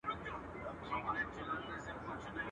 په يوه موزه کي دوې پښې نه ځائېږي.